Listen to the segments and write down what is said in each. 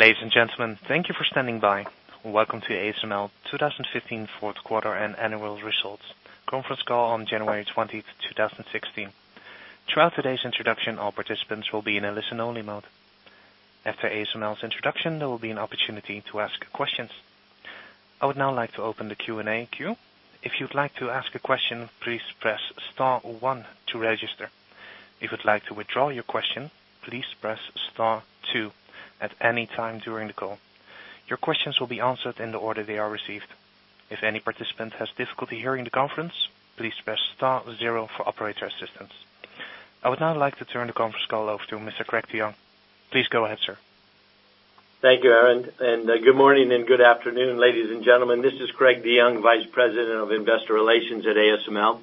Ladies and gentlemen, thank you for standing by. Welcome to ASML 2015 fourth quarter and annual results conference call on January 20th, 2016. Throughout today's introduction, all participants will be in a listen-only mode. After ASML's introduction, there will be an opportunity to ask questions. I would now like to open the Q&A queue. If you'd like to ask a question, please press star one to register. If you'd like to withdraw your question, please press star two at any time during the call. Your questions will be answered in the order they are received. If any participant has difficulty hearing the conference, please press star zero for operator assistance. I would now like to turn the conference call over to Mr. Craig DeYoung. Please go ahead, sir. Thank you, Aaron, and good morning and good afternoon, ladies and gentlemen. This is Craig DeYoung, Vice President of Investor Relations at ASML.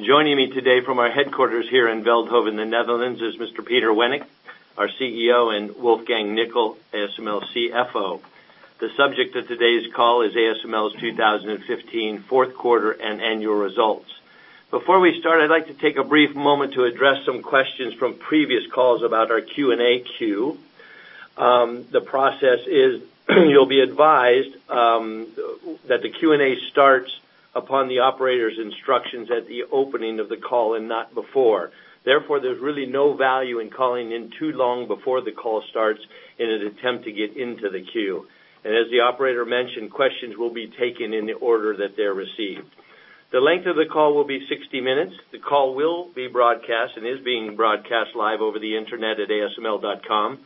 Joining me today from our headquarters here in Veldhoven, in the Netherlands, is Mr. Peter Wennink, our CEO, and Wolfgang Nickl, ASML CFO. The subject of today's call is ASML's 2015 fourth quarter and annual results. Before we start, I'd like to take a brief moment to address some questions from previous calls about our Q&A queue. The process is you'll be advised that the Q&A starts upon the operator's instructions at the opening of the call and not before. Therefore, there's really no value in calling in too long before the call starts in an attempt to get into the queue. As the operator mentioned, questions will be taken in the order that they're received. The length of the call will be 60 minutes. The call will be broadcast and is being broadcast live over the internet at asml.com,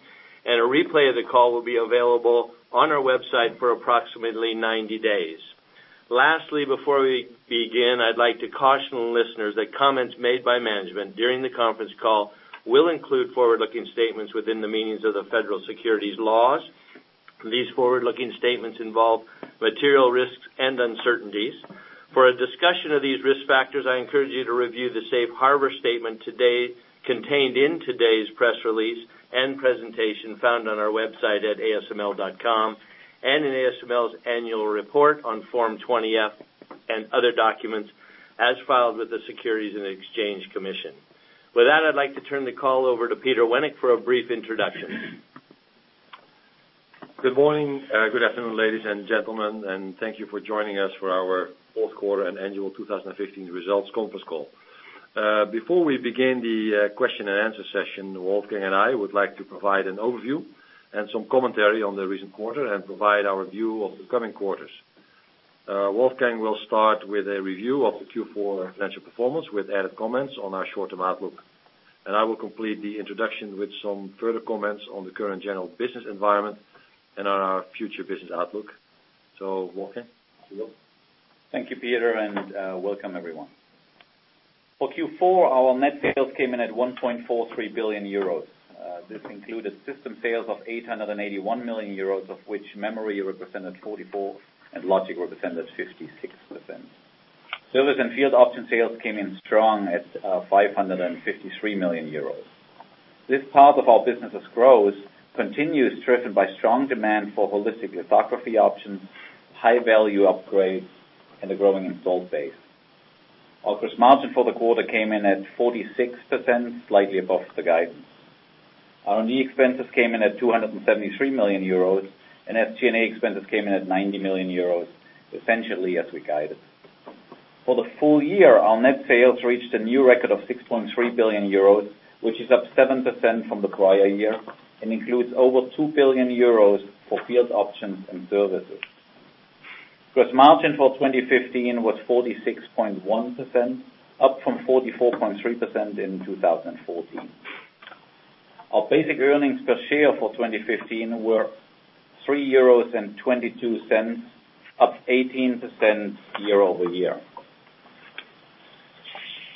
and a replay of the call will be available on our website for approximately 90 days. Lastly, before we begin, I'd like to caution listeners that comments made by management during the conference call will include forward-looking statements within the meanings of the federal securities laws. These forward-looking statements involve material risks and uncertainties. For a discussion of these risk factors, I encourage you to review the safe harbor statement contained in today's press release and presentation found on our website at asml.com, and in ASML's annual report on Form 20-F and other documents as filed with the Securities and Exchange Commission. With that, I'd like to turn the call over to Peter Wennink for a brief introduction. Good morning. Good afternoon, ladies and gentlemen, and thank you for joining us for our fourth quarter and annual 2015 results conference call. Before we begin the question and answer session, Wolfgang and I would like to provide an overview and some commentary on the recent quarter and provide our view of the coming quarters. Wolfgang will start with a review of the Q4 financial performance with added comments on our short-term outlook. I will complete the introduction with some further comments on the current general business environment and on our future business outlook. Wolfgang, to you. Thank you, Peter, and welcome everyone. For Q4, our net sales came in at 1.43 billion euros. This included system sales of 881 million euros, of which memory represented 44% and logic represented 56%. Service and field option sales came in strong at 553 million euros. This part of our businesses growth continues, driven by strong demand for holistic lithography options, high-value upgrades, and a growing installed base. Our gross margin for the quarter came in at 46%, slightly above the guidance. Our R&D expenses came in at 273 million euros. SG&A expenses came in at 90 million euros, essentially as we guided. For the full year, our net sales reached a new record of 6.3 billion euros, which is up 7% from the prior year and includes over 2 billion euros for field options and services. Gross margin for 2015 was 46.1%, up from 44.3% in 2014. Our basic earnings per share for 2015 were 3.22 euros, up 18% year-over-year.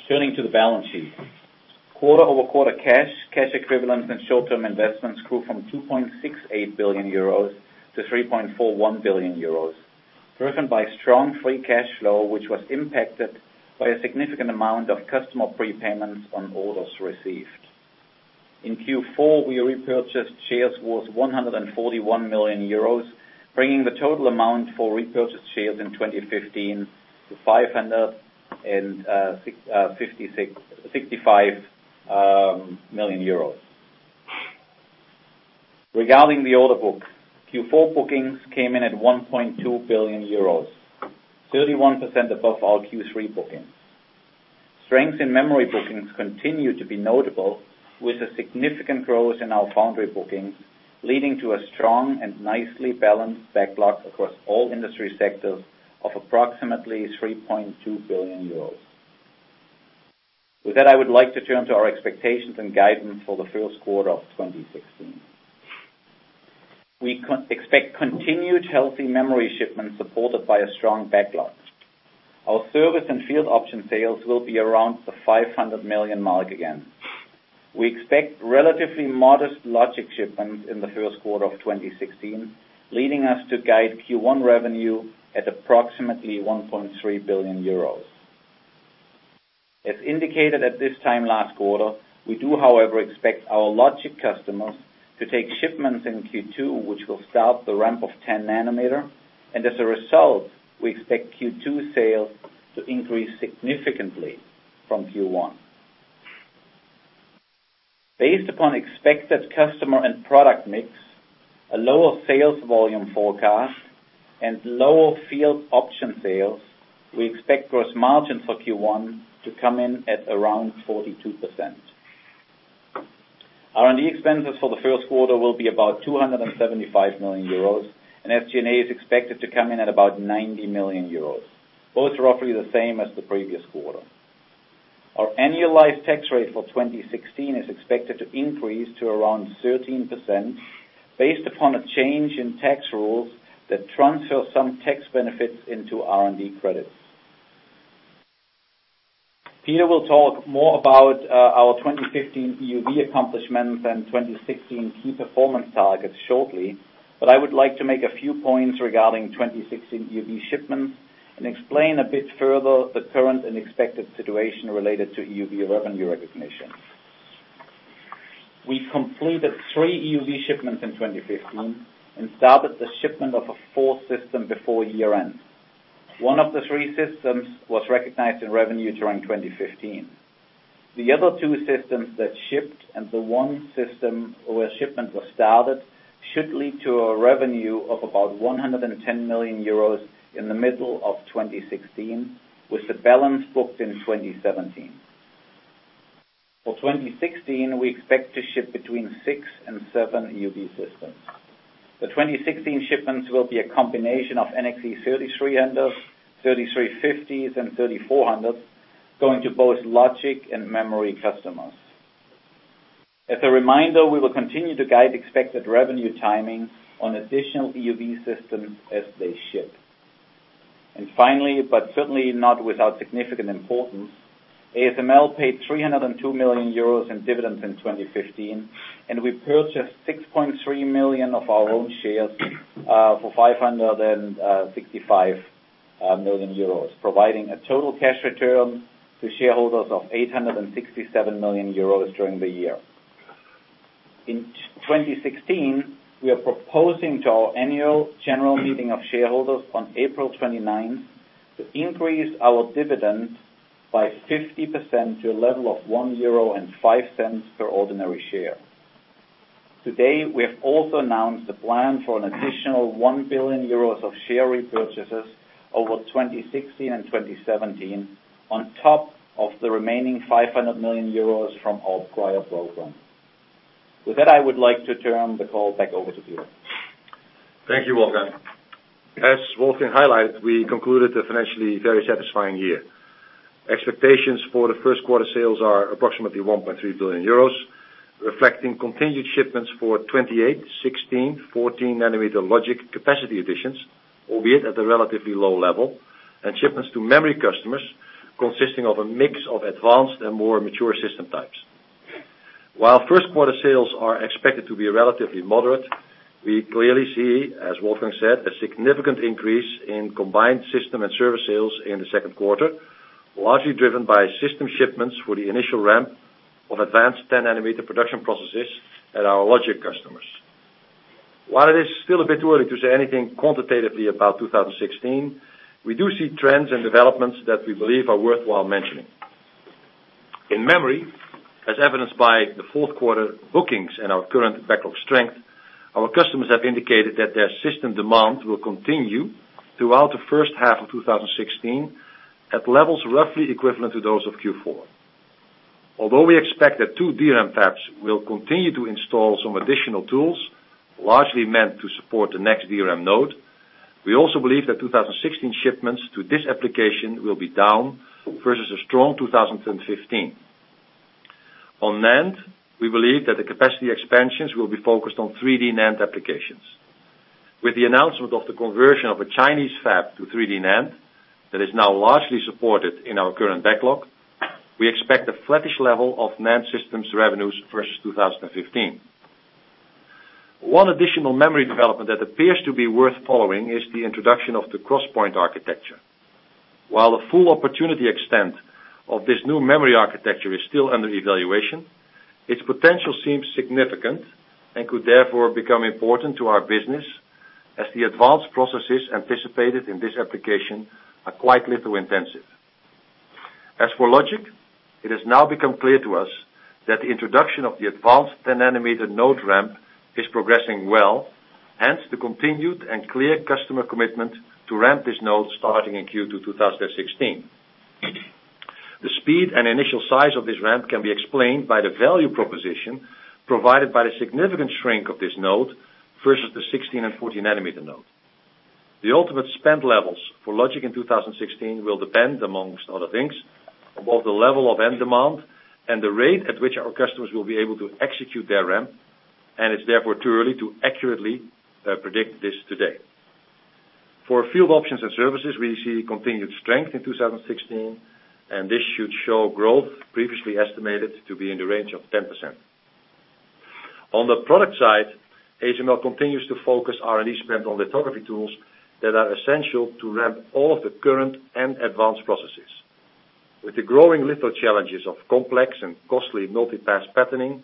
Turning to the balance sheet. Quarter-over-quarter cash equivalents, and short-term investments grew from 2.68 billion euros to 3.41 billion euros, driven by strong free cash flow, which was impacted by a significant amount of customer prepayments on orders received. In Q4, we repurchased shares worth 141 million euros, bringing the total amount for repurchased shares in 2015 to EUR 565 million. Regarding the order book, Q4 bookings came in at 1.2 billion euros, 31% above our Q3 bookings. Strength in memory bookings continued to be notable, with a significant growth in our foundry bookings, leading to a strong and nicely balanced backlog across all industry sectors of approximately 3.2 billion euros. I would like to turn to our expectations and guidance for the first quarter of 2016. We expect continued healthy memory shipments supported by a strong backlog. Our service and field option sales will be around the 500 million mark again. We expect relatively modest logic shipments in the first quarter of 2016, leading us to guide Q1 revenue at approximately 1.3 billion euros. As indicated at this time last quarter, we do, however, expect our logic customers to take shipments in Q2, which will start the ramp of 10 nanometer. As a result, we expect Q2 sales to increase significantly from Q1. Based upon expected customer and product mix, a lower sales volume forecast, and lower field option sales, we expect gross margin for Q1 to come in at around 42%. R&D expenses for the first quarter will be about 275 million euros. SG&A is expected to come in at about 90 million euros. Both roughly the same as the previous quarter. Our annualized tax rate for 2016 is expected to increase to around 13%, based upon a change in tax rules that transfer some tax benefits into R&D credits. Peter will talk more about our 2015 EUV accomplishments and 2016 key performance targets shortly. I would like to make a few points regarding 2016 EUV shipments, and explain a bit further the current and expected situation related to EUV revenue recognition. We completed three EUV shipments in 2015. Started the shipment of a fourth system before year-end. One of the three systems was recognized in revenue during 2015. The other two systems that shipped and the one system where shipment was started, should lead to a revenue of about 110 million euros in the middle of 2016, with the balance booked in 2017. For 2016, we expect to ship between six and seven EUV systems. The 2016 shipments will be a combination of NXE:3300B, NXE:3350B, and TWINSCAN NXE:3400B, going to both logic and memory customers. As a reminder, we will continue to guide expected revenue timing on additional EUV systems as they ship. Finally, but certainly not without significant importance, ASML paid 302 million euros in dividends in 2015, and we purchased 6.3 million of our own shares for 565 million euros, providing a total cash return to shareholders of 867 million euros during the year. In 2016, we are proposing to our annual general meeting of shareholders on April 29th, to increase our dividend by 50% to a level of 1.05 euro per ordinary share. Today, we have also announced a plan for an additional 1 billion euros of share repurchases over 2016 and 2017, on top of the remaining 500 million euros from our acquire program. With that, I would like to turn the call back over to Peter. Thank you, Wolfgang. As Wolfgang highlighted, we concluded a financially very satisfying year. Expectations for the first quarter sales are approximately 1.3 billion euros, reflecting continued shipments for 28 nanometer, 16 nanometer, 14 nanometer logic capacity additions, albeit at a relatively low level, and shipments to memory customers consisting of a mix of advanced and more mature system types. While first quarter sales are expected to be relatively moderate, we clearly see, as Wolfgang said, a significant increase in combined system and service sales in the second quarter, largely driven by system shipments for the initial ramp of advanced 10 nanometer production processes at our logic customers. While it is still a bit too early to say anything quantitatively about 2016, we do see trends and developments that we believe are worthwhile mentioning. In memory, as evidenced by the fourth quarter bookings and our current backlog strength, our customers have indicated that their system demand will continue throughout the first half of 2016, at levels roughly equivalent to those of Q4. Although we expect that two DRAM fabs will continue to install some additional tools, largely meant to support the next DRAM node, we also believe that 2016 shipments to this application will be down versus a strong 2015. On NAND, we believe that the capacity expansions will be focused on 3D NAND applications. With the announcement of the conversion of a Chinese fab to 3D NAND, that is now largely supported in our current backlog, we expect a flattish level of NAND systems revenues versus 2015. One additional memory development that appears to be worth following is the introduction of the 3D XPoint architecture. While the full opportunity extent of this new memory architecture is still under evaluation, its potential seems significant and could therefore become important to our business as the advanced processes anticipated in this application are quite litho-intensive. As for logic, it has now become clear to us that the introduction of the advanced 10 nanometer node ramp is progressing well, hence the continued and clear customer commitment to ramp this node starting in Q2 2016. The speed and initial size of this ramp can be explained by the value proposition provided by the significant shrink of this node versus the 16 and 14 nanometer node. The ultimate spend levels for logic in 2016 will depend, amongst other things, above the level of end demand and the rate at which our customers will be able to execute their ramp, and it's therefore too early to accurately predict this today. For field options and services, we see continued strength in 2016, and this should show growth previously estimated to be in the range of 10%. On the product side, ASML continues to focus R&D spend on lithography tools that are essential to ramp all of the current and advanced processes. With the growing litho challenges of complex and costly multi-pass patterning,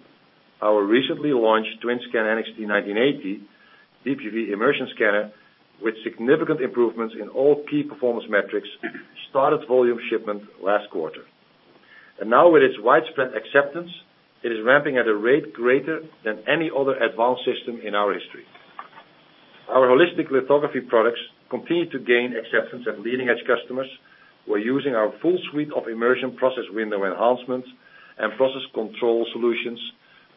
our recently launched TWINSCAN NXT:1980Di immersion scanner, with significant improvements in all key performance metrics, started volume shipment last quarter. Now with its widespread acceptance, it is ramping at a rate greater than any other advanced system in our history. Our Holistic Lithography products continue to gain acceptance, and leading-edge customers were using our full suite of immersion process window enhancements and process control solutions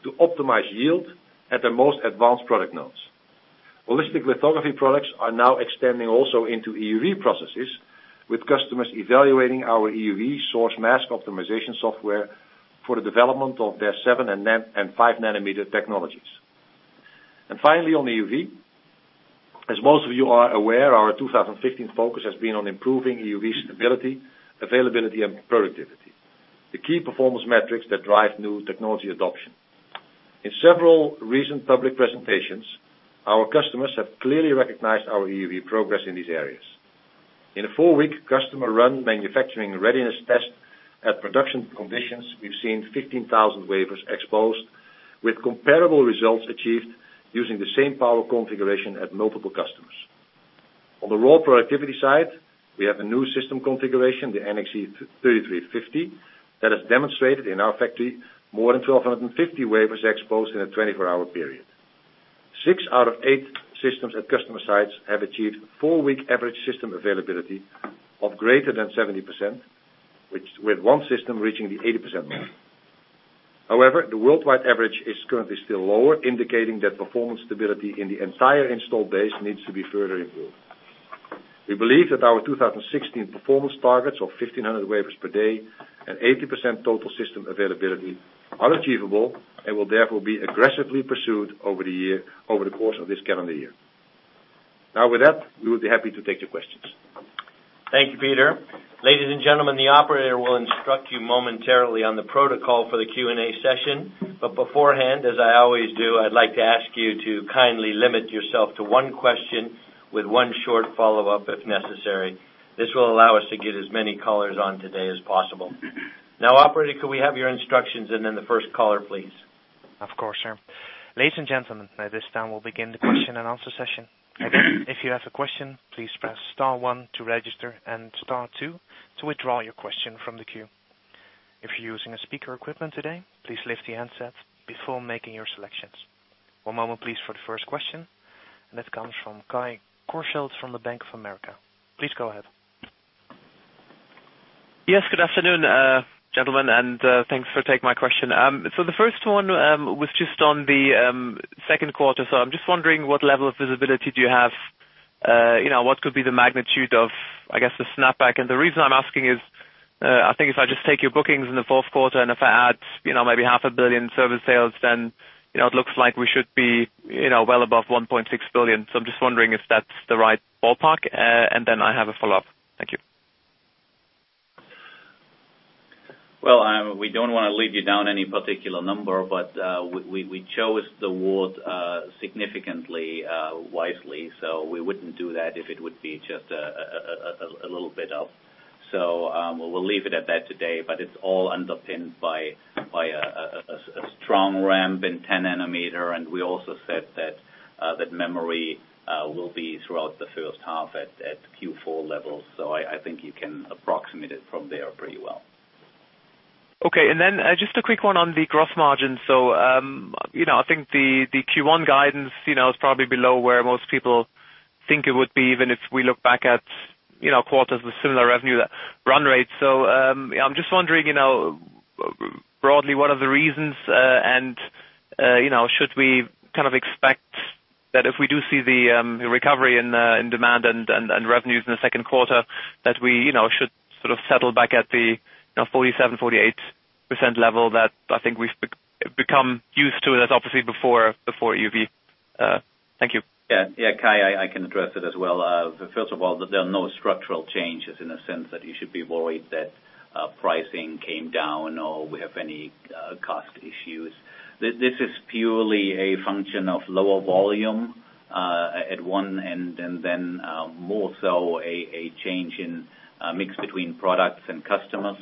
to optimize yield at the most advanced product nodes. Holistic Lithography products are now extending also into EUV processes, with customers evaluating our EUV source mask optimization software for the development of their 7 and 5 nanometer technologies. Finally, on EUV, as most of you are aware, our 2015 focus has been on improving EUV stability, availability, and productivity, the key performance metrics that drive new technology adoption. In several recent public presentations, our customers have clearly recognized our EUV progress in these areas. In a four-week customer run manufacturing readiness test at production conditions, we've seen 15,000 wafers exposed with comparable results achieved using the same power configuration at multiple customers. On the raw productivity side, we have a new system configuration, the NXE:3350B, that has demonstrated in our factory more than 1,250 wafers exposed in a 24-hour period. Six out of eight systems at customer sites have achieved four-week average system availability of greater than 70%, with one system reaching the 80% mark. However, the worldwide average is currently still lower, indicating that performance stability in the entire installed base needs to be further improved. We believe that our 2016 performance targets of 1,500 wafers per day and 80% total system availability are achievable and will therefore be aggressively pursued over the course of this calendar year. Now with that, we would be happy to take your questions. Thank you, Peter. Ladies and gentlemen, the operator will instruct you momentarily on the protocol for the Q&A session. Beforehand, as I always do, I'd like to ask you to kindly limit yourself to one question with one short follow-up if necessary. This will allow us to get as many callers on today as possible. Operator, could we have your instructions and then the first caller, please? Of course, sir. Ladies and gentlemen, at this time, we'll begin the question and answer session. If you have a question, please press star 1 to register and star 2 to withdraw your question from the queue. If you're using speaker equipment today, please lift the handset before making your selections. One moment please for the first question, and that comes from Kai Korschelt from Bank of America. Please go ahead. Good afternoon, gentlemen, thanks for taking my question. The first one was just on the second quarter. I'm just wondering what level of visibility do you have? What could be the magnitude of, I guess, the snap back? The reason I'm asking is, I think if I just take your bookings in the fourth quarter, if I add maybe half a billion service sales, it looks like we should be well above 1.6 billion. I'm just wondering if that's the right ballpark. Then I have a follow-up. Thank you. Well, we don't want to lead you down any particular number, we chose the word significantly wisely. We wouldn't do that if it would be just a little bit of. We'll leave it at that today, it's all underpinned by a strong ramp in 10 nanometer. We also said that memory will be throughout the first half at Q4 levels. I think you can approximate it from there pretty well. Okay. Just a quick one on the gross margin. I think the Q1 guidance is probably below where most people think it would be, even if we look back at quarters with similar revenue run rates. I'm just wondering broadly, what are the reasons? Should we kind of expect that if we do see the recovery in demand and revenues in the second quarter, that we should sort of settle back at the 47%-48% level that I think we've become used to that's obviously before EUV. Thank you. Yeah. Kai, I can address it as well. First of all, there are no structural changes in a sense that you should be worried that pricing came down or we have any cost issues. This is purely a function of lower volume at one end, more so a change in mix between products and customers.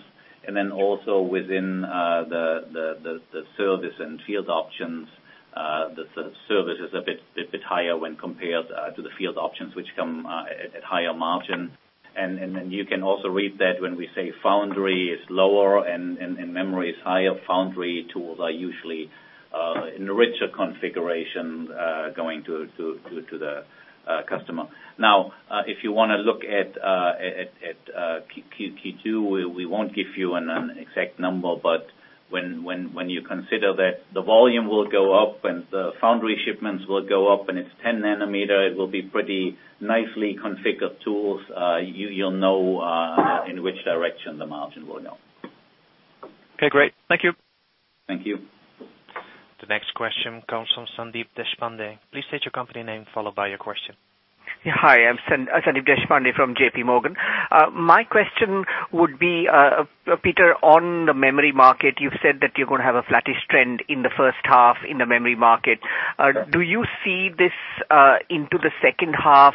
Also within the service and field options. The service is a bit higher when compared to the field options, which come at higher margin. You can also read that when we say foundry is lower and memory is higher, foundry tools are usually in a richer configuration going to the customer. If you want to look at Q2, we won't give you an exact number, but when you consider that the volume will go up and the foundry shipments will go up and it's 10 nanometer, it will be pretty nicely configured tools. You'll know in which direction the margin will go. Okay, great. Thank you. Thank you. The next question comes from Sandeep Deshpande. Please state your company name followed by your question. Yeah. Hi, I'm Sandeep Deshpande from JP Morgan. My question would be, Peter, on the memory market. You've said that you're going to have a flattish trend in the first half in the memory market. Do you see this into the second half?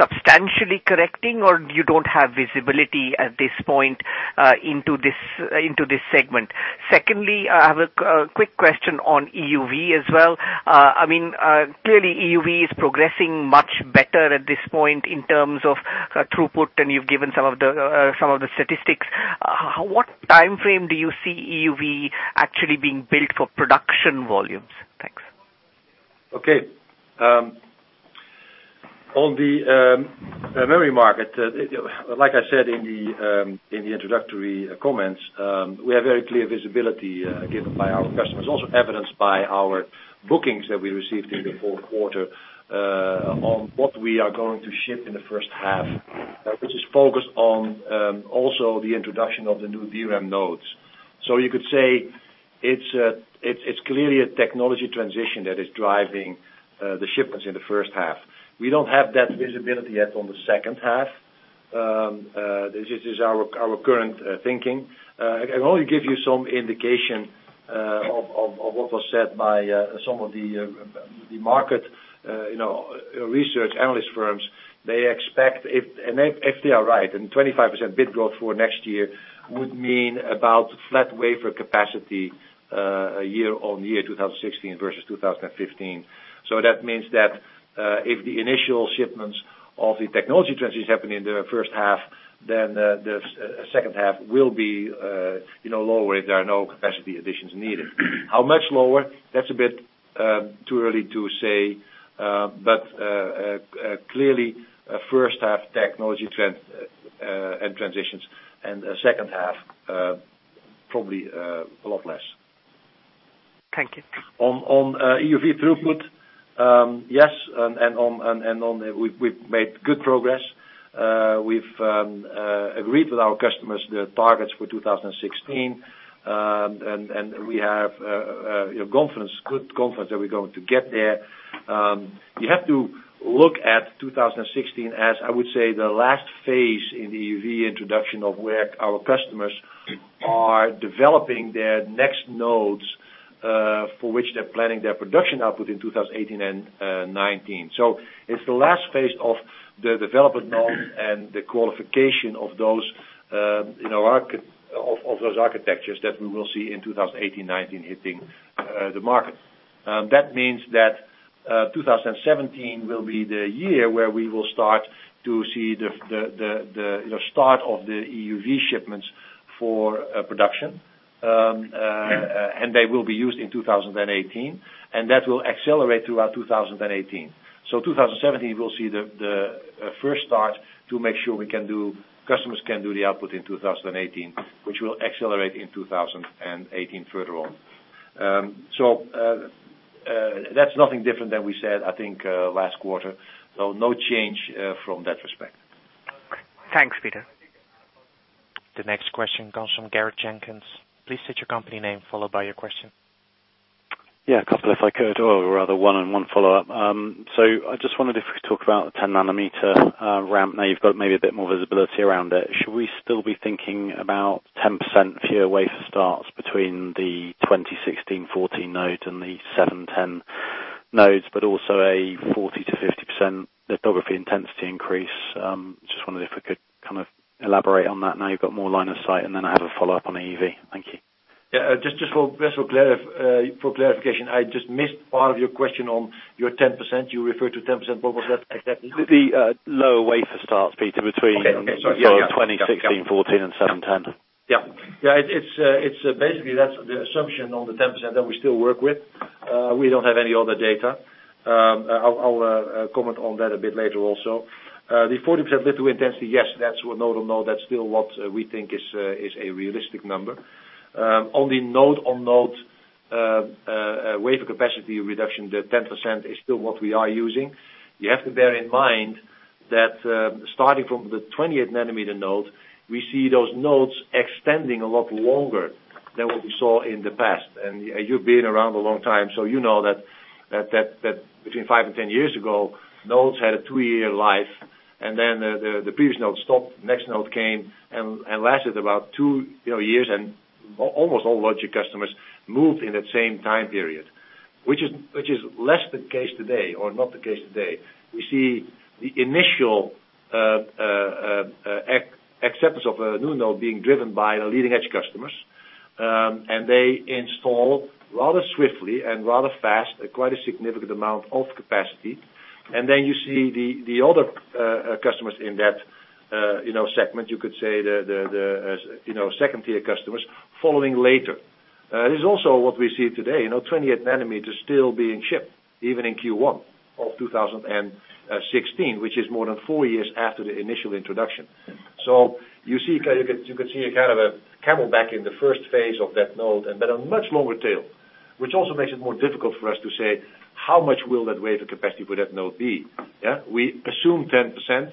substantially correcting, or you don't have visibility at this point into this segment? Secondly, I have a quick question on EUV as well. Clearly, EUV is progressing much better at this point in terms of throughput, and you've given some of the statistics. What timeframe do you see EUV actually being built for production volumes? Thanks. Okay. On the memory market, like I said in the introductory comments, we have very clear visibility given by our customers, also evidenced by our bookings that we received in the fourth quarter on what we are going to ship in the first half, which is focused on also the introduction of the new DRAM nodes. You could say it's clearly a technology transition that is driving the shipments in the first half. We don't have that visibility yet on the second half. This is our current thinking. I can only give you some indication of what was said by some of the market research analyst firms. If they are right, then 25% bit growth for next year would mean about flat wafer capacity year-over-year, 2016 versus 2015. That means that if the initial shipments of the technology transitions happen in the first half, then the second half will be lower if there are no capacity additions needed. How much lower? That's a bit too early to say. Clearly, first half, technology transitions, and the second half, probably a lot less. Thank you. On EUV throughput, yes. We've made good progress. We've agreed with our customers the targets for 2016. We have good confidence that we're going to get there. You have to look at 2016 as, I would say, the last phase in the EUV introduction of where our customers are developing their next nodes for which they're planning their production output in 2018 and 2019. It's the last phase of the development node and the qualification of those architectures that we will see in 2018-2019 hitting the market. That means that 2017 will be the year where we will start to see the start of the EUV shipments for production. They will be used in 2018, and that will accelerate throughout 2018. 2017, we'll see the first start to make sure customers can do the output in 2018, which will accelerate in 2018 further on. That's nothing different than we said, I think, last quarter. No change from that respect. Thanks, Peter. The next question comes from Gareth Jenkins. Please state your company name, followed by your question. Yeah, a couple if I could, or rather one and one follow-up. I just wondered if we could talk about the 10 nanometer ramp. Now you've got maybe a bit more visibility around it. Should we still be thinking about 10% fewer wafer starts between the 2016, 14 nanometer nodes and the 7 nanometer and 10 nanometer nodes, but also a 40%-50% lithography intensity increase? Just wondered if we could kind of elaborate on that now you've got more line of sight. I have a follow-up on EUV. Thank you. Yeah. Just for clarification, I just missed part of your question on your 10%. You referred to 10%. What was that exactly? The lower wafer starts, Peter. Okay. Sorry. Yeah. 2016, 2014, and 710. Yeah. Basically, that's the assumption on the 10% that we still work with. We don't have any other data. I'll comment on that a bit later also. The 40% litho intensity, yes, node on node, that's still what we think is a realistic number. On the node on node wafer capacity reduction, the 10% is still what we are using. You have to bear in mind that starting from the 20th-nanometer node, we see those nodes extending a lot longer than what we saw in the past. You've been around a long time, so you know that between five and 10 years ago, nodes had a two-year life, and then the previous node stopped, next node came, and lasted about two years. Almost all logic customers moved in that same time period, which is less the case today or not the case today. We see the initial acceptance of a new node being driven by leading-edge customers. They install rather swiftly and rather fast, quite a significant amount of capacity. Then you see the other customers in that segment, you could say the second-tier customers, following later. This is also what we see today, 20 nanometer still being shipped even in Q1 2016, which is more than four years after the initial introduction. You could see a kind of a camelback in the first phase of that node, but a much longer tail, which also makes it more difficult for us to say how much will that wafer capacity for that node be. We assume 10%,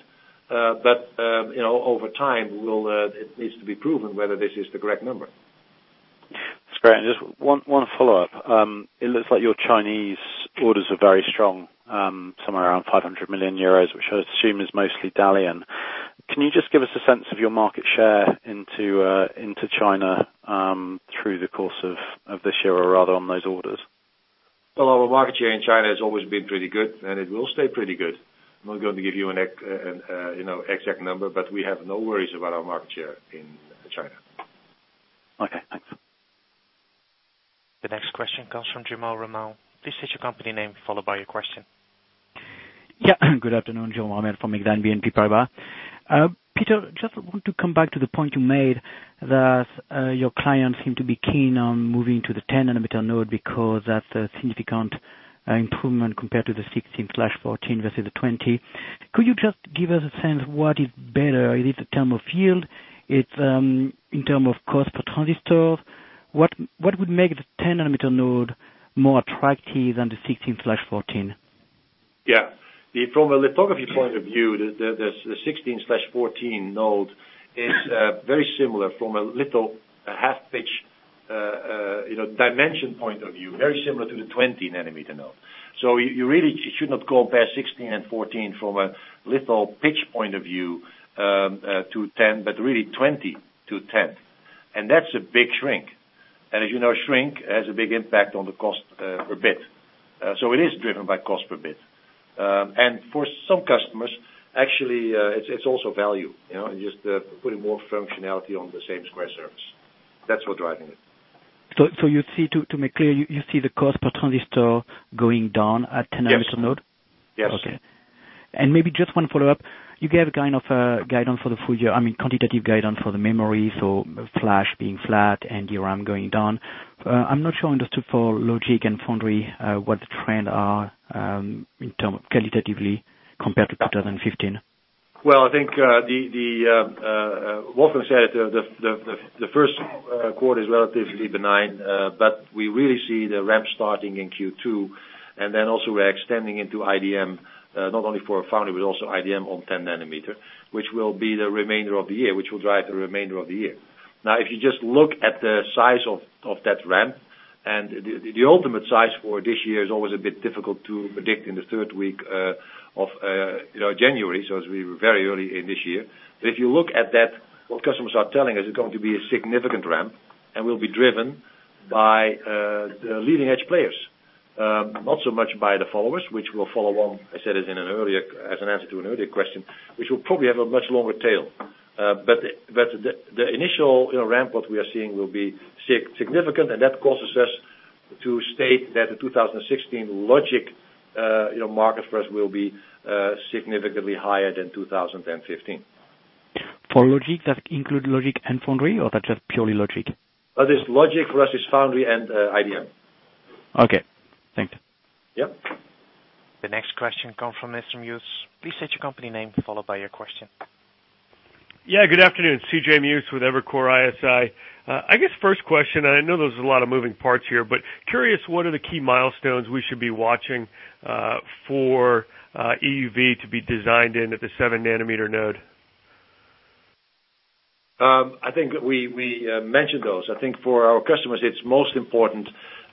but over time, it needs to be proven whether this is the correct number. That's great. Just one follow-up. It looks like your Chinese orders are very strong, somewhere around 500 million euros, which I assume is mostly Dalian. Can you just give us a sense of your market share into China through the course of this year or rather on those orders? Well, our market share in China has always been pretty good. It will stay pretty good. I'm not going to give you an exact number, we have no worries about our market share in China. Okay, thanks. The next question comes from Jérôme Ramel. Please state your company name, followed by your question. Yeah. Good afternoon, Jérôme Ramel from Exane BNP Paribas. Peter, just want to come back to the point you made, that your clients seem to be keen on moving to the 10 nanometer node because that's a significant improvement compared to the 16/14 versus the 20. Could you just give us a sense of what is better? Is it the terms of yield? It's in terms of cost per transistor? What would make the 10 nanometer node more attractive than the 16/14? Yeah. From a lithography point of view, the 16/14 node is very similar from a litho half pitch dimension point of view, very similar to the 20 nanometer node. You really should not go past 16 and 14 from a litho pitch point of view to 10, but really 20 to 10. That's a big shrink. As you know, shrink has a big impact on the cost per bit. It is driven by cost per bit. For some customers, actually, it's also value. Just putting more functionality on the same square surface. That's what driving it. To make clear, you see the cost per transistor going down at 10 nanometer node? Yes. Okay. Maybe just one follow-up. You gave kind of a guidance for the full year, I mean, quantitative guidance for the memory, so flash being flat and DRAM going down. I'm not sure I understood for logic and foundry, what the trend are in term of qualitatively compared to 2015? Well, I think Wolfgang said the first quarter is relatively benign, but we really see the ramp starting in Q2, and then also we're extending into IDM, not only for foundry, but also IDM on 10 nanometer, which will be the remainder of the year, which will drive the remainder of the year. If you just look at the size of that ramp, and the ultimate size for this year is always a bit difficult to predict in the third week of January, so as we were very early in this year. If you look at that, what customers are telling us is going to be a significant ramp and will be driven by the leading-edge players. Not so much by the followers, which will follow on, I said it as an answer to an earlier question, which will probably have a much longer tail. The initial ramp what we are seeing will be significant, and that causes us to state that the 2016 logic market for us will be significantly higher than 2015. For logic, that include logic and foundry, or that's just purely logic? That is logic for us is foundry and IDM. Okay. Thank you. Yep. The next question comes from C.J. Muse. Please state your company name, followed by your question. Yeah, good afternoon. C.J. Muse with Evercore ISI. I guess first question, and I know there's a lot of moving parts here, but curious, what are the key milestones we should be watching for EUV to be designed in at the 7 nanometer node? I think we mentioned those. I think for our customers, it's most important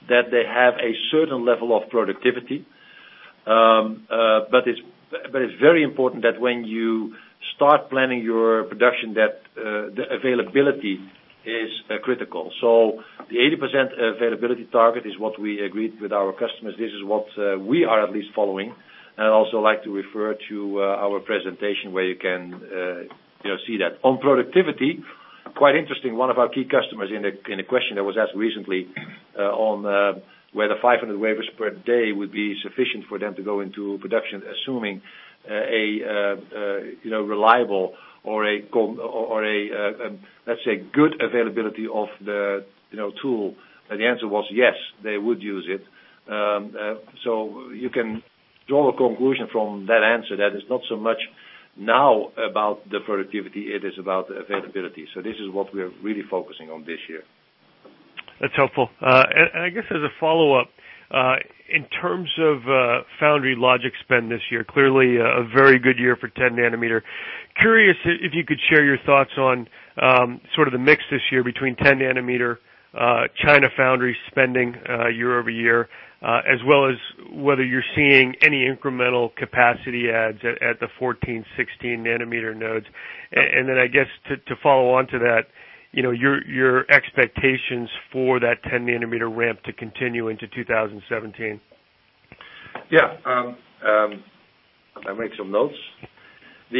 that they have a certain level of productivity. It's very important that when you start planning your production, the availability is critical. The 80% availability target is what we agreed with our customers. This is what we are at least following. I'd also like to refer to our presentation where you can see that. On productivity, quite interesting, one of our key customers in a question that was asked recently on whether 500 wafers per day would be sufficient for them to go into production, assuming a reliable or a, let's say, good availability of the tool. The answer was, yes, they would use it. You can draw a conclusion from that answer that is not so much now about the productivity, it is about the availability. This is what we are really focusing on this year. That's helpful. I guess as a follow-up, in terms of foundry logic spend this year, clearly, a very good year for 10 nanometer. Curious if you could share your thoughts on sort of the mix this year between 10 nanometer, China foundry spending year-over-year, as well as whether you're seeing any incremental capacity adds at the 14, 16 nanometer nodes. Then I guess to follow on to that, your expectations for that 10 nanometer ramp to continue into 2017. Yeah. I make some notes. The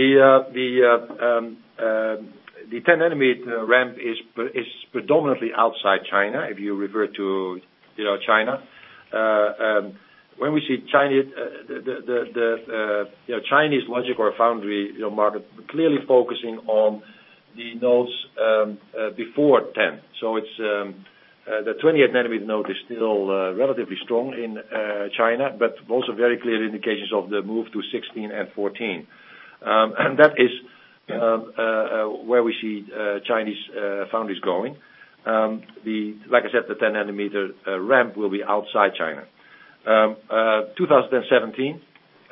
10 nanometer ramp is predominantly outside China, if you refer to China. When we see Chinese logic or foundry market, we're clearly focusing on the nodes before 10. The 20 nanometer node is still relatively strong in China, but also very clear indications of the move to 16 and 14. That is where we see Chinese foundries going. Like I said, the 10 nanometer ramp will be outside China. 2017.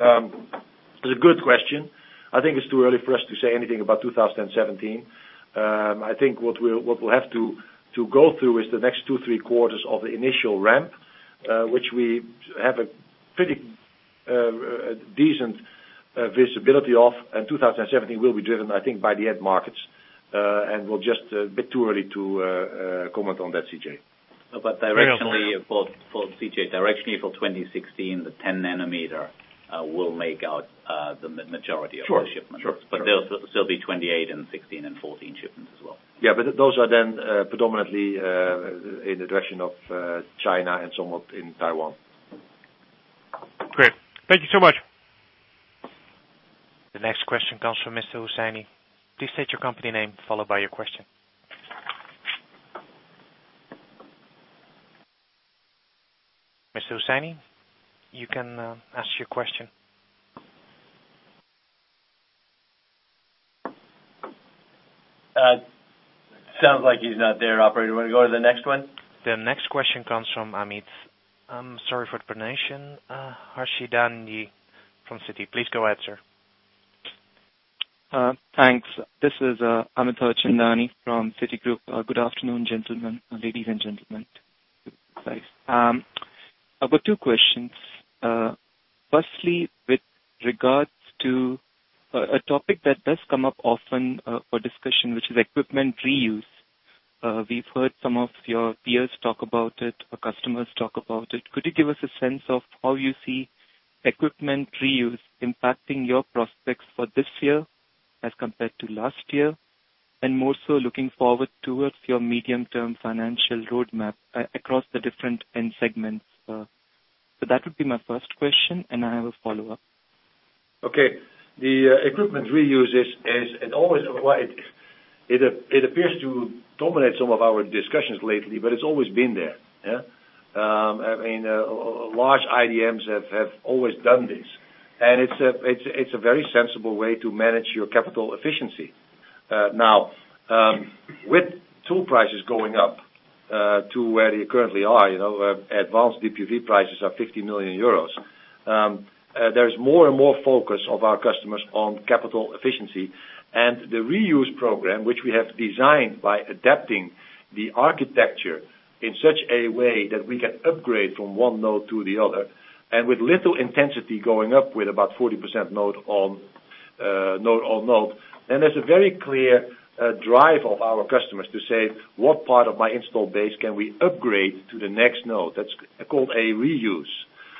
It's a good question. I think it's too early for us to say anything about 2017. I think what we'll have to go through is the next two, three quarters of the initial ramp, which we have a decent visibility of 2017 will be driven, I think, by the end markets. We're just a bit too early to comment on that, CJ. directionally, for C.J., directionally for 2016, the 10 nanometer will make out the majority of the shipments. Sure. There'll still be 28 and 16 and 14 shipments as well. Yeah, those are then predominantly in the direction of China and somewhat in Taiwan. Great. Thank you so much. The next question comes from Mr. Hussaini. Please state your company name, followed by your question. Mr. Hussaini, you can ask your question. Sounds like he's not there, operator. You want to go to the next one? The next question comes from Amit Harchandani from Citi. Please go ahead, sir. Thanks. This is Amit Harchandani from Citigroup. Good afternoon, ladies and gentlemen. I've got two questions. Firstly, with regards to a topic that does come up often for discussion, which is equipment reuse. We've heard some of your peers talk about it or customers talk about it. Could you give us a sense of how you see equipment reuse impacting your prospects for this year as compared to last year? And more so looking forward towards your medium-term financial roadmap across the different end segments? That would be my first question, and I have a follow-up. Okay. The equipment reuse, it appears to dominate some of our discussions lately, but it's always been there. Large IDMs have always done this, and it's a very sensible way to manage your capital efficiency. Now, with tool prices going up to where they currently are, advanced DUV prices are 50 million euros. There is more and more focus of our customers on capital efficiency. The reuse program, which we have designed by adapting the architecture in such a way that we can upgrade from one node to the other, with little intensity going up with about 40% node on node. There's a very clear drive of our customers to say, "What part of my install base can we upgrade to the next node?" That's called a reuse.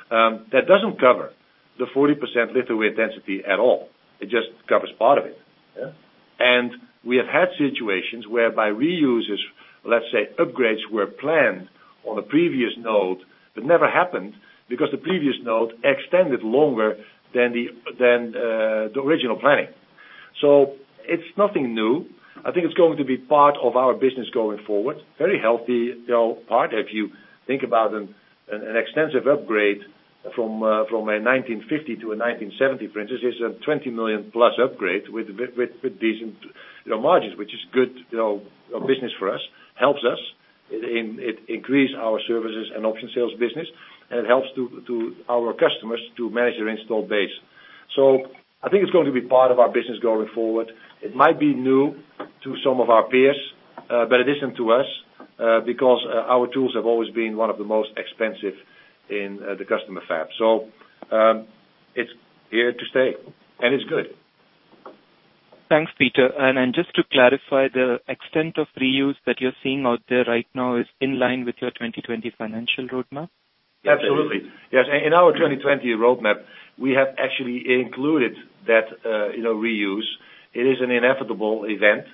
That doesn't cover the 40% litho intensity at all. It just covers part of it. Yeah. We have had situations whereby reuses, let's say, upgrades were planned on a previous node, but never happened because the previous node extended longer than the original planning. It's nothing new. I think it's going to be part of our business going forward. Very healthy part. If you think about an extensive upgrade from a 1950 to a 1970, for instance, is a 20 million-plus upgrade with decent margins, which is good business for us, helps us. It increase our services and option sales business, and it helps our customers to manage their install base. I think it's going to be part of our business going forward. It might be new to some of our peers, but it isn't to us, because our tools have always been one of the most expensive in the customer fab. It's here to stay, and it's good. Thanks, Peter. Just to clarify, the extent of reuse that you're seeing out there right now is in line with your 2020 financial roadmap? Absolutely. Yes. In our 2020 roadmap, we have actually included that reuse. It is an inevitable event.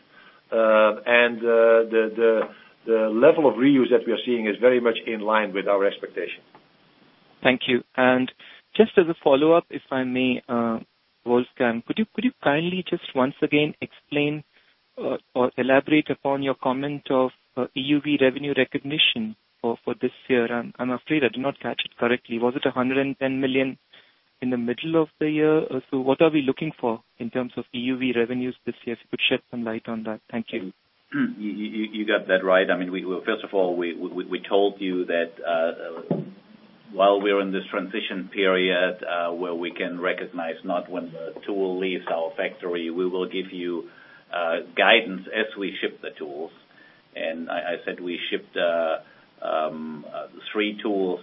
The level of reuse that we are seeing is very much in line with our expectation. Thank you. Just as a follow-up, if I may, Wolfgang, could you kindly just once again explain or elaborate upon your comment of EUV revenue recognition for this year? I'm afraid I did not catch it correctly. Was it 110 million in the middle of the year? What are we looking for in terms of EUV revenues this year? If you could shed some light on that. Thank you. You got that right. First of all, we told you that while we're in this transition period, where we can recognize not when the tool leaves our factory, we will give you guidance as we ship the tools. I said we shipped 3 tools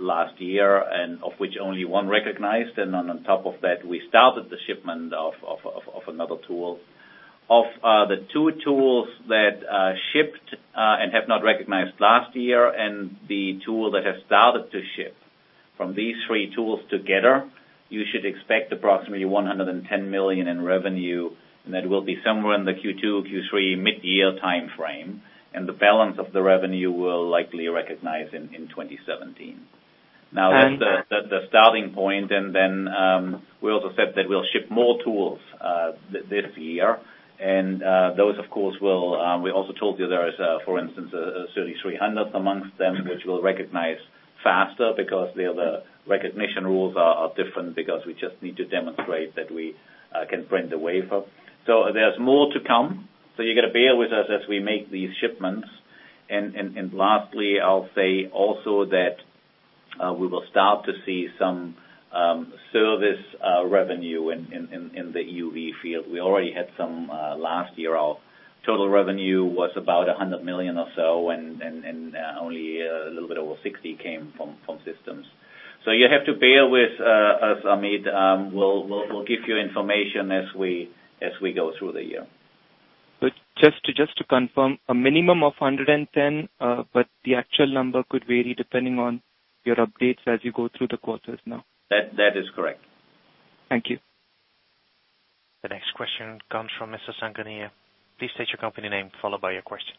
last year, and of which only 1 recognized. On top of that, we started the shipment of another tool. Of the 2 tools that shipped and have not recognized last year and the tool that has started to ship, from these 3 tools together, you should expect approximately 110 million in revenue, and that will be somewhere in the Q2, Q3, mid-year timeframe, and the balance of the revenue will likely recognize in 2017. Thanks. That's the starting point, we also said that we'll ship more tools this year. Those, of course, we also told you there is, for instance, a 3,300 amongst them, which we'll recognize faster because there the recognition rules are different because we just need to demonstrate that we can print the wafer. There's more to come. You got to bear with us as we make these shipments. Lastly, I'll say also that we will start to see some service revenue in the EUV field. We already had some last year of Total revenue was about 100 million or so, and only a little bit over 60 came from systems. You have to bear with us, Amit. We'll give you information as we go through the year. Just to confirm, a minimum of 110, but the actual number could vary depending on your updates as you go through the quarters now. That is correct. Thank you. The next question comes from Mr. Sangani. Please state your company name, followed by your question.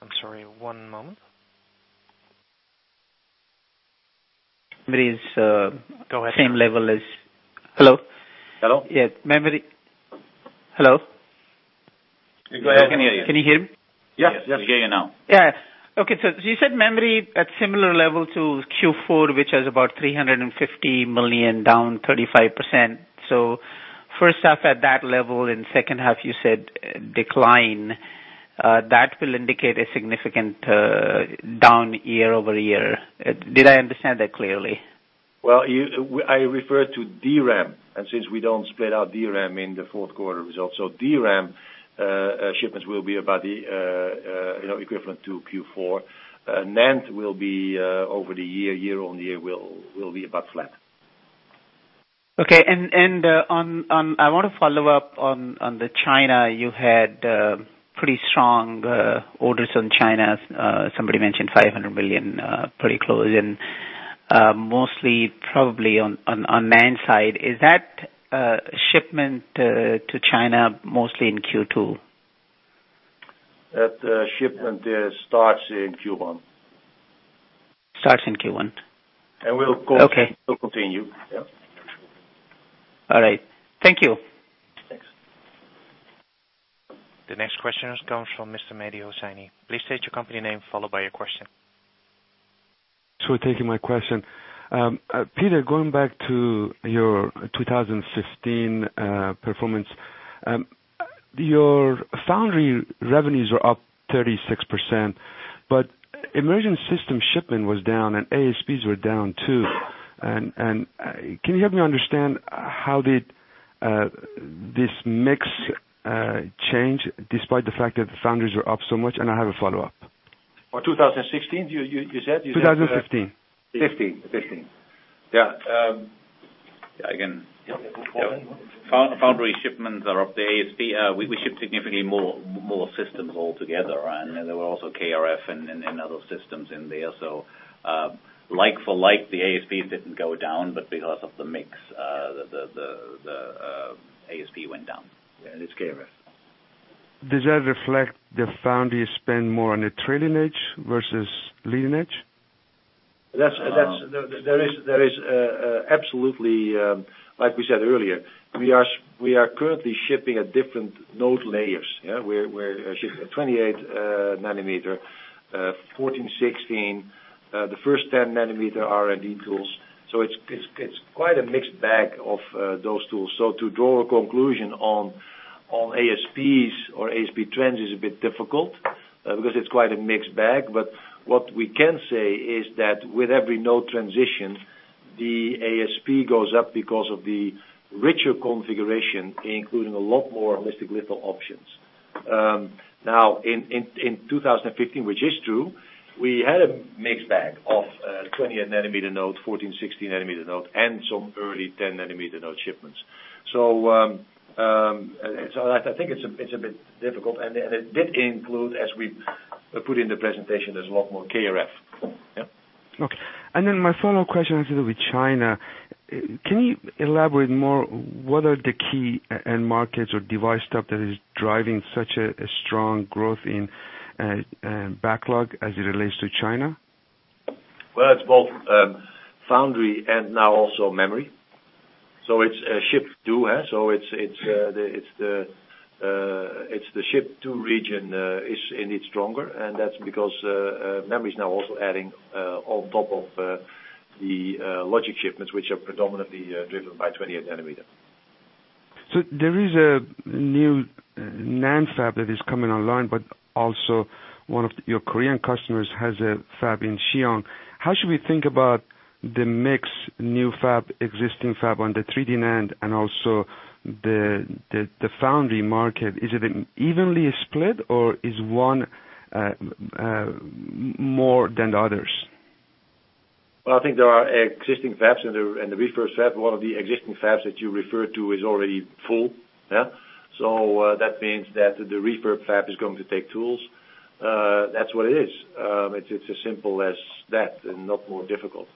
I'm sorry, one moment. Memory is- Go ahead. Same level as Hello? Hello? Yes, memory. Hello? Go ahead. We can hear you. Can you hear me? Yes. We can hear you now. Yes. Okay. You said memory at similar level to Q4, which is about 350 million, down 35%. First half at that level, and second half you said decline. That will indicate a significant down year-over-year. Did I understand that clearly? Well, I referred to DRAM, since we don't split out DRAM in the fourth quarter results. DRAM shipments will be about equivalent to Q4. NAND will be over the year-on-year, will be about flat. Okay. I want to follow up on the China. You had pretty strong orders on China. Somebody mentioned 500 million, pretty close, and mostly probably on NAND side. Is that shipment to China mostly in Q2? That shipment starts in Q1. Starts in Q1. And will- Okay. Will continue. Yep. All right. Thank you. Thanks. The next question comes from Mr. Mehdi Hosseini. Please state your company name, followed by your question. Sure, thank you. My question. Peter, going back to your 2015 performance, your foundry revenues were up 36%, emerging system shipment was down and ASPs were down too. Can you help me understand how did this mix change despite the fact that the foundries were up so much? I have a follow-up. For 2016, you said? 2015. 2015. Yeah. Go for it. Foundry shipments are up. The ASP, we ship significantly more systems all together, and there were also KrF and other systems in there. Like for like, the ASP didn't go down, but because of the mix, the ASP went down. Yeah, it's KrF. Does that reflect the foundry spend more on the trailing edge versus leading edge? There is absolutely, like we said earlier, we are currently shipping at different node layers. We're shipping at 28 nanometer, 14, 16, the first 10 nanometer R&D tools. It's quite a mixed bag of those tools. To draw a conclusion on ASPs or ASP trends is a bit difficult because it's quite a mixed bag. What we can say is that with every node transition, the ASP goes up because of the richer configuration, including a lot more holistic litho options. Now, in 2015, which is true, we had a mixed bag of 20 nanometer node, 14, 16 nanometer node, and some early 10 nanometer node shipments. I think it's a bit difficult, and it did include, as we put in the presentation, there's a lot more KrF. Yep. Okay. My follow-up question has to do with China. Can you elaborate more, what are the key end markets or device type that is driving such a strong growth in backlog as it relates to China? It's both foundry and now also memory. It's ship to. It's the ship to region is indeed stronger, and that's because memory is now also adding on top of the logic shipments, which are predominantly driven by 28 nanometer. There is a new NAND fab that is coming online, but also one of your Korean customers has a fab in Xi'an. How should we think about the mix, new fab, existing fab on the 3D NAND and also the foundry market? Is it evenly split or is one more than the others? Well, I think there are existing fabs and the refurb fab. One of the existing fabs that you referred to is already full. That means that the refurb fab is going to take tools. That's what it is. It's as simple as that and not more difficult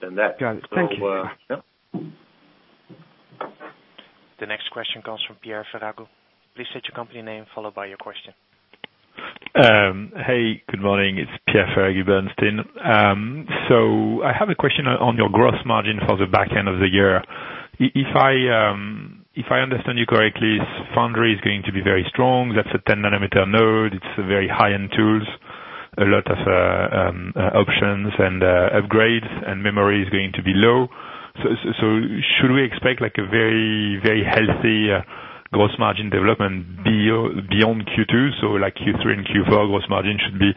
than that. Got it. Thank you. Yep. The next question comes from Pierre Ferragu. Please state your company name, followed by your question. Hey, good morning. It's Pierre Ferragu, Bernstein. I have a question on your gross margin for the back end of the year. If I understand you correctly, foundry is going to be very strong. That's a 10 nanometer node. It's very high-end tools, a lot of options and upgrades, and memory is going to be low. Should we expect like a very healthy gross margin development beyond Q2? Like Q3 and Q4, gross margin should be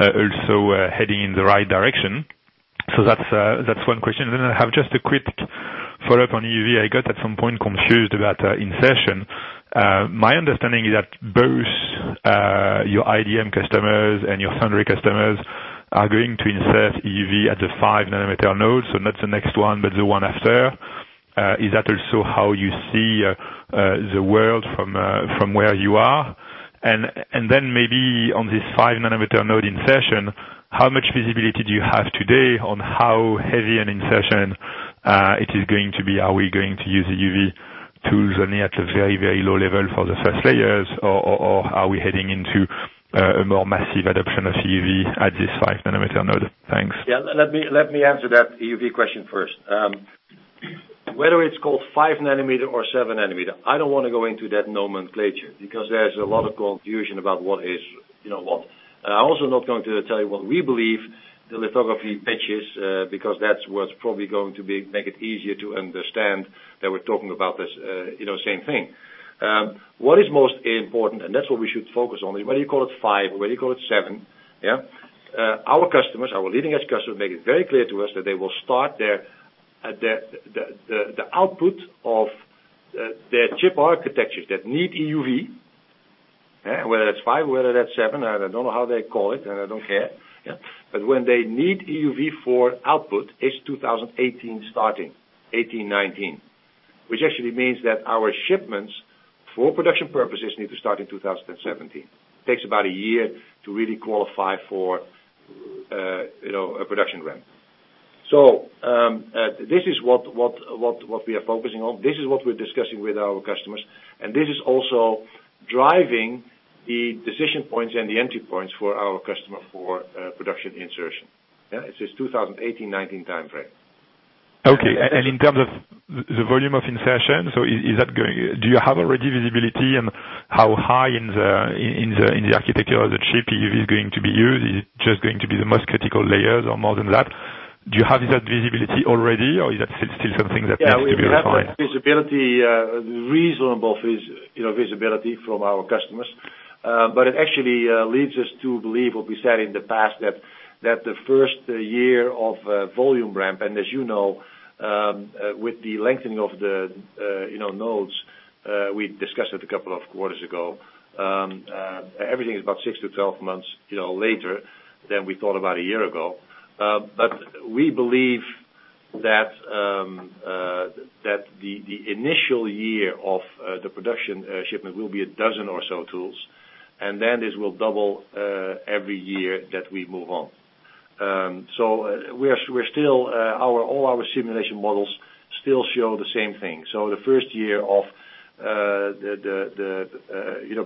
also heading in the right direction? That's one question. I have just a quick follow-up on EUV. I got at some point confused about insertion. My understanding is that both your IDM customers and your foundry customers are going to insert EUV at the 5 nanometer node. Not the next one, but the one after. Is that also how you see the world from where you are? Maybe on this 5 nanometer node insertion, how much visibility do you have today on how heavy an insertion it is going to be? Are we going to use EUV tools only at a very, very low level for the first layers? Are we heading into a more massive adoption of EUV at this 5 nanometer node? Thanks. Yeah. Let me answer that EUV question first. Whether it's called 5 nanometer or 7 nanometer, I don't want to go into that nomenclature, because there's a lot of confusion about what is what. I'm also not going to tell you what we believe the lithography pitch is, because that's what's probably going to make it easier to understand that we're talking about this same thing. What is most important, and that's what we should focus on, whether you call it 5 or whether you call it 7, yeah? Our customers, our leading-edge customers, make it very clear to us that they will start the output of their chip architectures that need EUV. Whether that's 5 or whether that's 7, I don't know how they call it, and I don't care. When they need EUV for output, it's 2018 starting, 2018, 2019. Actually means that our shipments for production purposes need to start in 2017. Takes about a year to really qualify for a production ramp. This is what we are focusing on. This is what we're discussing with our customers, and this is also driving the decision points and the entry points for our customer for production insertion. Yeah, it's this 2018-2019 time frame. Okay. In terms of the volume of insertion, do you have already visibility on how high in the architecture of the chip EUV is going to be used? Is it just going to be the most critical layers or more than that? Do you have that visibility already or is that still something that needs to be refined? Yeah, we have visibility, reasonable visibility from our customers. It actually leads us to believe what we said in the past, that the first year of volume ramp, and as you know, with the lengthening of the nodes, we discussed it a couple of quarters ago. Everything is about six to 12 months later than we thought about a year ago. We believe that the initial year of the production shipment will be a dozen or so tools, and then this will double every year that we move on. We're still, all our simulation models still show the same thing. The first year of the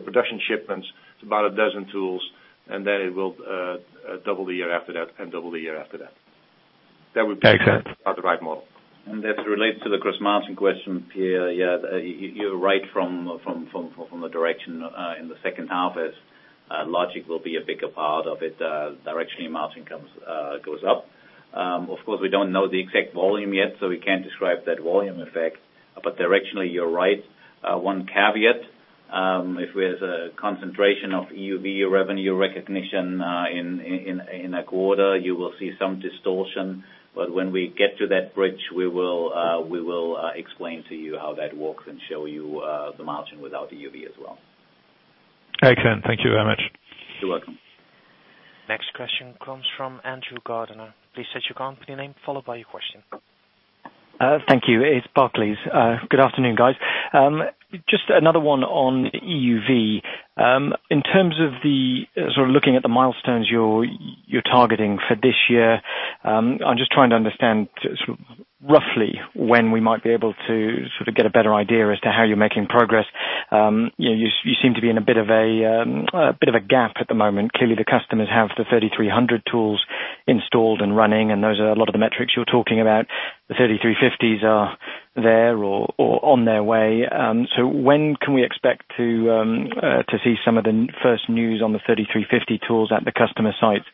production shipments, it's about a dozen tools, and then it will double the year after that and double the year after that. Makes sense the right model. As it relates to the gross margin question, Pierre, yeah, you're right from the direction in the second half as logic will be a bigger part of it, directionally, margin goes up. Of course, we don't know the exact volume yet, so we can't describe that volume effect. Directionally, you're right. One caveat, if there's a concentration of EUV revenue recognition in a quarter, you will see some distortion. When we get to that bridge, we will explain to you how that works and show you the margin without EUV as well. Excellent. Thank you very much. You're welcome. Next question comes from Andrew Gardiner. Please state your company name, followed by your question. Thank you. It's Barclays. Good afternoon, guys. Just another one on EUV. In terms of the sort of looking at the milestones you're targeting for this year, I'm just trying to understand roughly when we might be able to sort of get a better idea as to how you're making progress. You seem to be in a bit of a gap at the moment. Clearly, the customers have the 3300 tools installed and running, and those are a lot of the metrics you're talking about. The 3350s are there or on their way. When can we expect to see some of the first news on the 3350 tools at the customer sites?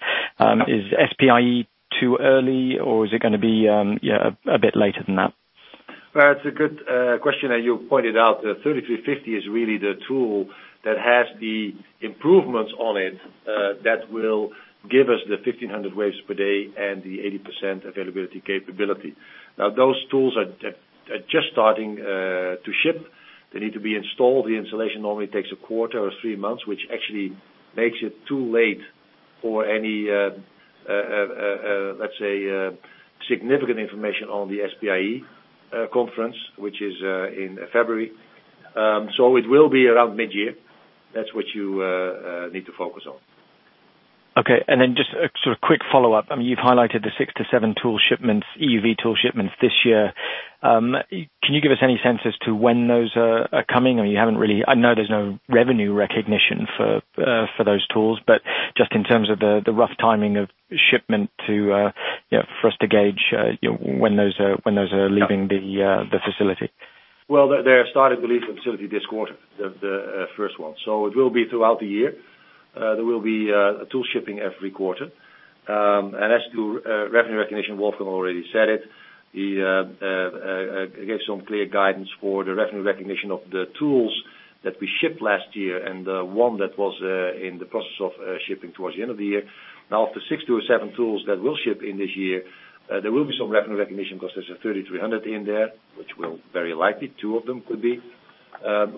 Is SPIE too early or is it going to be a bit later than that? Well, it's a good question, you pointed out the 3350 is really the tool that has the improvements on it that will give us the 1,500 waves per day and the 80% availability capability. Now, those tools are just starting to ship. They need to be installed. The installation normally takes a quarter or three months, which actually makes it too late for any, let's say, significant information on the SPIE conference, which is in February. It will be around mid-year. That's what you need to focus on. Okay. Just a sort of quick follow-up. You've highlighted the six to seven EUV tool shipments this year. Can you give us any sense as to when those are coming? I know there's no revenue recognition for those tools, but just in terms of the rough timing of shipment for us to gauge when those are leaving the facility. They have started to leave the facility this quarter, the first one. It will be throughout the year. There will be a tool shipping every quarter. As to revenue recognition, Wolfgang already said it. He gave some clear guidance for the revenue recognition of the tools that we shipped last year, and one that was in the process of shipping towards the end of the year. Of the six tools, seven tools that will ship in this year, there will be some revenue recognition because there's a 3300 in there, which will very likely two of them could be,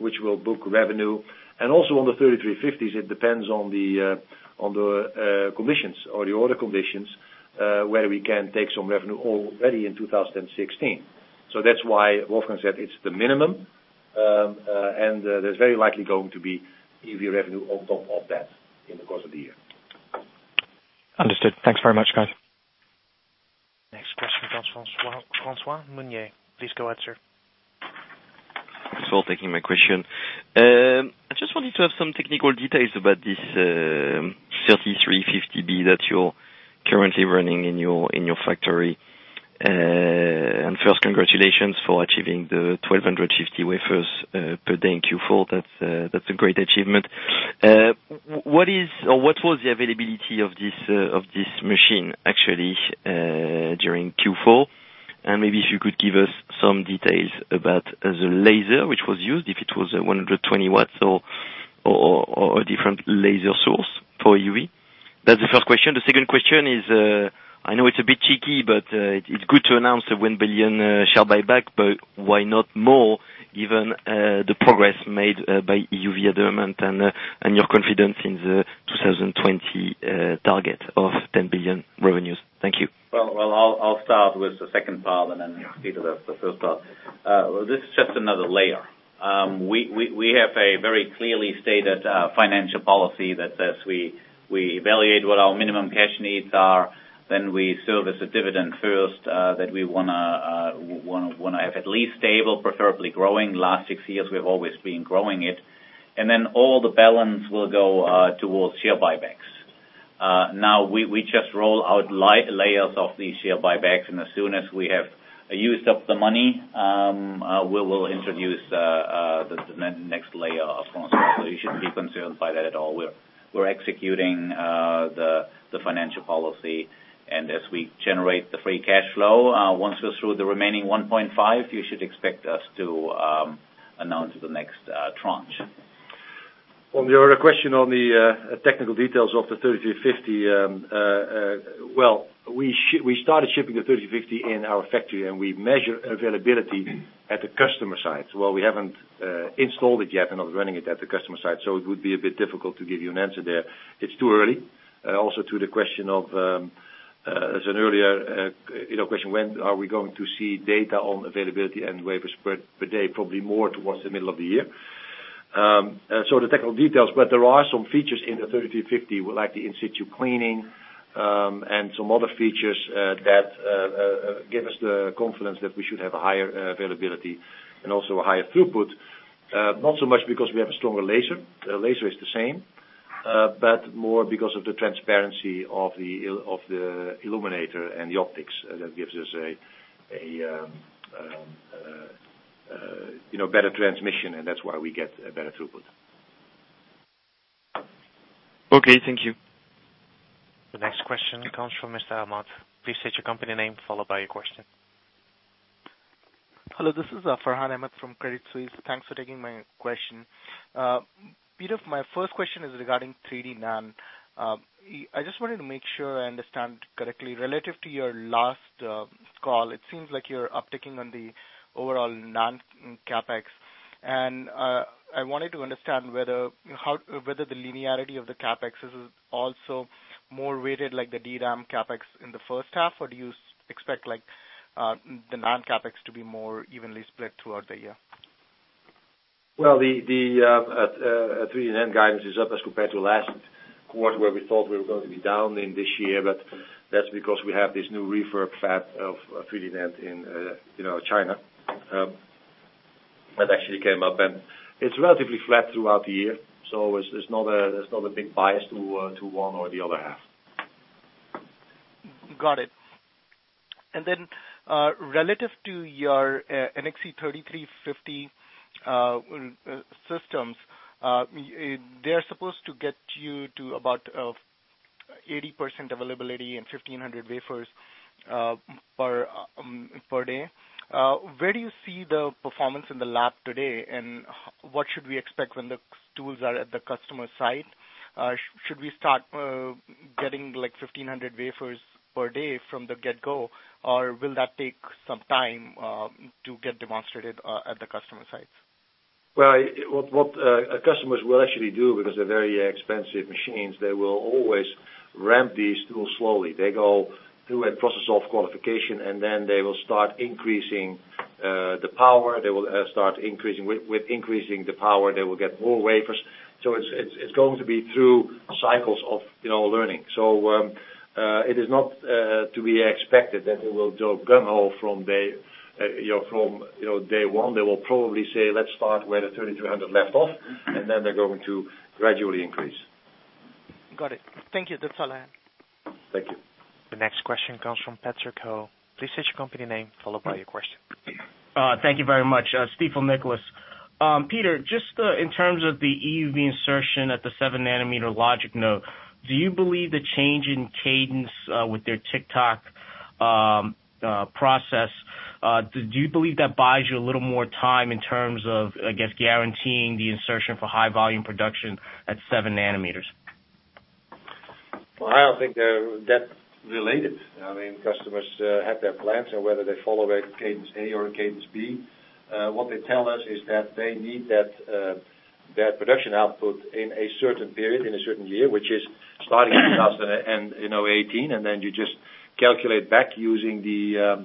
which will book revenue. Also on the 3350s, it depends on the conditions or the order conditions, where we can take some revenue already in 2016. That's why Wolfgang said it's the minimum, and there's very likely going to be EUV revenue on top of that in the course of the year. Understood. Thanks very much, guys. Next question comes from François Meunier. Please go ahead, sir. Thanks for taking my question. I just wanted to have some technical details about this 3350B that you're currently running in your factory. First, congratulations for achieving the 1,250 wafers per day in Q4. That's a great achievement. What was the availability of this machine actually, during Q4? Maybe if you could give us some details about the laser which was used, if it was 120 watts or a different laser source for EUV. That's the first question. The second question is, I know it's a bit cheeky, it's good to announce the 1 billion share buyback, why not more, given the progress made by EUV advancement and your confidence in the 2020 target of 10 billion revenues? Thank you. Well, I'll start with the second part and then Peter with the first part. This is just another layer. We have a very clearly stated financial policy that says we evaluate what our minimum cash needs are, then we service the dividend first, that we want to have at least stable, preferably growing. Last six years, we've always been growing it. Then all the balance will go towards share buybacks. Now, we just roll out light layers of these share buybacks, as soon as we have used up the money, we will introduce the next layer of buyback. You shouldn't be concerned by that at all. We're executing the financial policy. As we generate the free cash flow, once we're through with the remaining 1.5 billion, you should expect us to announce the next tranche. On your question on the technical details of the 3350. Well, we started shipping the 3350 in our factory, we measure availability at the customer site. Well, we haven't installed it yet, I was running it at the customer site, it would be a bit difficult to give you an answer there. It's too early. Also to the question of, as an earlier question, when are we going to see data on availability and wafers per day? Probably more towards the middle of the year. The technical details, there are some features in the 3350, like the in-situ cleaning, some other features that give us the confidence that we should have a higher availability and also a higher throughput. Not so much because we have a stronger laser. The laser is the same. More because of the transparency of the illuminator and the optics. That gives us a better transmission, that's why we get a better throughput. Okay, thank you. The next question comes from Mr. Ahmad. Please state your company name, followed by your question. Hello, this is Farhan Ahmad from Credit Suisse. Thanks for taking my question. Peter, my first question is regarding 3D NAND. I just wanted to make sure I understand correctly. Relative to your last call, it seems like you're upticking on the overall NAND CapEx. I wanted to understand whether the linearity of the CapEx is also more weighted like the DRAM CapEx in the first half, or do you expect the NAND CapEx to be more evenly split throughout the year? Well, the 3D NAND guidance is up as compared to last quarter, where we thought we were going to be down in this year, but that's because we have this new refurb fab of 3D NAND in China. That actually came up, and it's relatively flat throughout the year, so there's not a big bias to one or the other half. Got it. Relative to your NXE:3350B systems, they're supposed to get you to about 80% availability and 1,500 wafers per day. Where do you see the performance in the lab today, and what should we expect when the tools are at the customer site? Should we start getting 1,500 wafers per day from the get-go, or will that take some time to get demonstrated at the customer sites? What customers will actually do, because they're very expensive machines, they will always ramp these tools slowly. They go through a process of qualification, and then they will start increasing the power. With increasing the power, they will get more wafers. It's going to be through cycles of learning. It is not to be expected that they will go gung-ho from day one. They will probably say, "Let's start where the NXE:3300B left off," and then they're going to gradually increase. Got it. Thank you. That's all I have. Thank you. The next question comes from Patrick Ho. Please state your company name, followed by your question. Thank you very much. Patrick Ho from Stifel. Peter, just in terms of the EUV insertion at the 7 nanometer logic node, do you believe the change in cadence with their tick-tock process, do you believe that buys you a little more time in terms of, I guess, guaranteeing the insertion for high volume production at 7 nanometers? Well, I don't think they're that related. Customers have their plans on whether they follow a cadence A or cadence B. What they tell us is that they need that production output in a certain period, in a certain year, which is starting in 2018, you just calculate back using the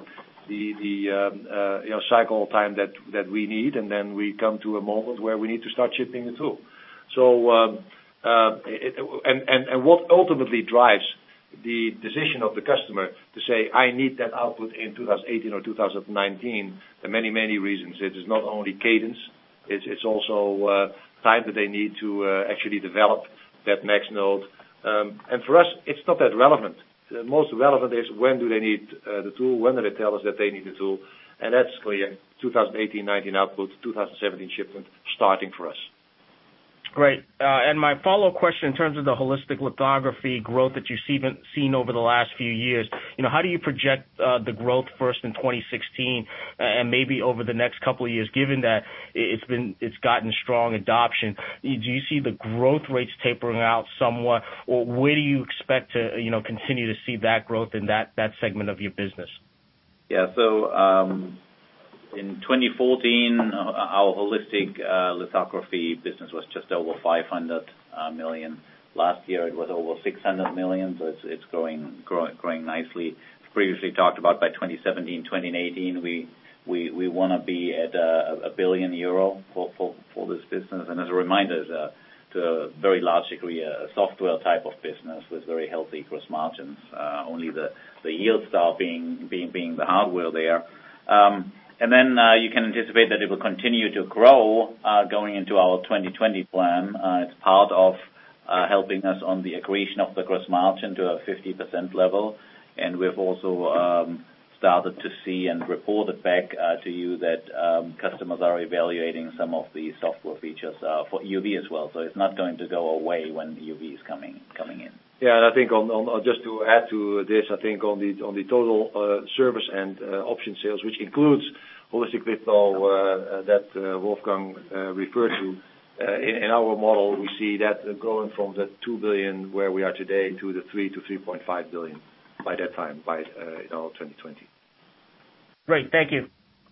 cycle time that we need, we come to a moment where we need to start shipping the tool. What ultimately drives the decision of the customer to say, "I need that output in 2018 or 2019," there are many reasons. It is not only cadence, it's also time that they need to actually develop that next node. For us, it's not that relevant. The most relevant is when do they need the tool? When do they tell us that they need the tool? That's clear, 2018, 2019 output, 2017 shipment starting for us. Great. My follow-up question, in terms of the holistic lithography growth that you've seen over the last few years, how do you project the growth first in 2016 and maybe over the next couple of years, given that it's gotten strong adoption? Do you see the growth rates tapering out somewhat? Where do you expect to continue to see that growth in that segment of your business? Yeah. In 2014, our holistic lithography business was just over 500 million. Last year, it was over 600 million. It's growing nicely. As previously talked about, by 2017, 2018, we want to be at 1 billion euro for this business. As a reminder, it's a very largely software type of business with very healthy gross margins. Only the YieldStar being the hardware there. You can anticipate that it will continue to grow going into our 2020 plan. It's part of helping us on the accretion of the gross margin to a 50% level. We've also started to see and reported back to you that customers are evaluating some of the software features for EUV as well. It's not going to go away when the EUV is coming in. Yeah, just to add to this, I think on the total service and option sales, which includes Holistic Lithography that Wolfgang referred to, in our model, we see that going from the 2 billion, where we are today, to the 3 billion-3.5 billion by that time, by 2020. Great. Thank you.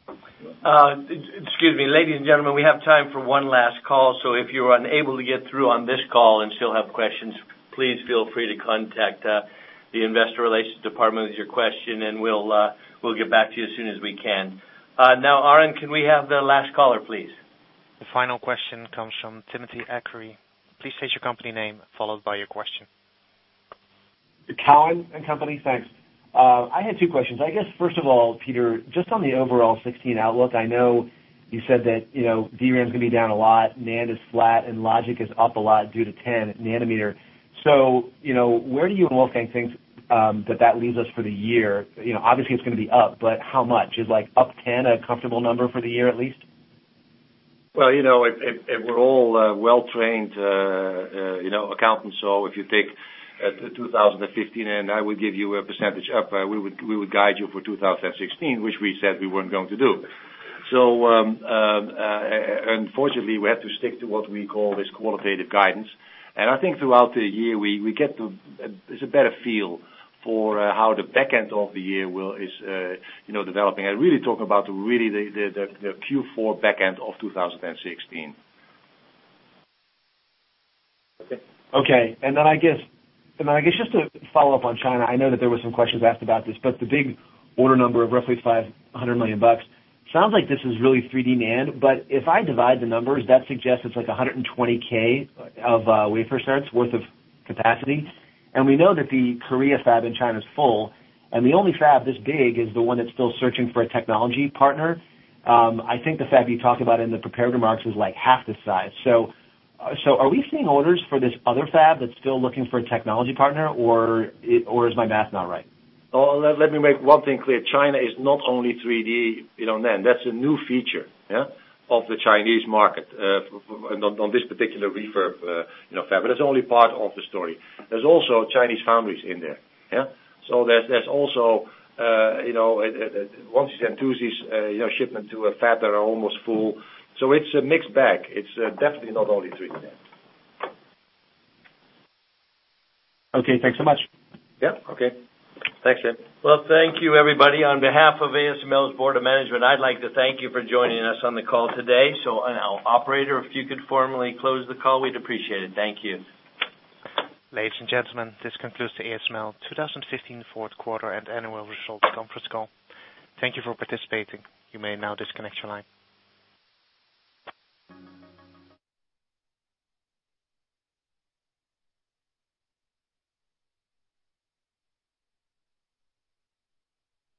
Excuse me. Ladies and gentlemen, we have time for one last call, so if you were unable to get through on this call and still have questions, please feel free to contact the investor relations department with your question, and we will get back to you as soon as we can. Aaron, can we have the last caller, please? The final question comes from Timothy Arcuri. Please state your company name, followed by your question. Cowen and Company. Thanks. I had two questions. I guess, first of all, Peter, just on the overall 2016 outlook, I know you said that DRAM is going to be down a lot, NAND is flat, and logic is up a lot due to 10 nanometer. Where do you and Wolfgang think that leaves us for the year? Obviously, it is going to be up, but how much? Is up 10 a comfortable number for the year, at least? We are all well-trained accountants, if you take 2015 and I would give you a percentage up, we would guide you for 2016, which we said we were not going to do. Unfortunately, we have to stick to what we call this qualitative guidance. I think throughout the year, we get to a better feel for how the back end of the year is developing. I am really talking about the Q4 back end of 2016. Okay. I guess, just to follow up on China, I know that there were some questions asked about this, but the big order number of roughly EUR 500 million, sounds like this is really 3D NAND. If I divide the numbers, that suggests it's like 120,000 of wafer starts worth of capacity. We know that the Korea fab in China's full, and the only fab this big is the one that's still searching for a technology partner. I think the fab you talked about in the prepared remarks was half this size. Are we seeing orders for this other fab that's still looking for a technology partner, or is my math not right? Let me make one thing clear. China is not only 3D NAND. That's a new feature of the Chinese market on this particular refurb fab. It's only part of the story. There's also Chinese foundries in there. There's also, once you send two of these shipments to a fab that are almost full. It's a mixed bag. It's definitely not only 3D NAND. Okay. Thanks so much. Yeah. Okay. Thanks. Thank you, everybody. On behalf of ASML's Board of Management, I'd like to thank you for joining us on the call today. Now, operator, if you could formally close the call, we'd appreciate it. Thank you. Ladies and gentlemen, this concludes the ASML 2015 fourth quarter and annual results conference call. Thank you for participating. You may now disconnect your line.